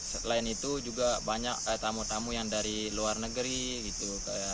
selain itu juga banyak kayak tamu tamu yang dari luar negeri gitu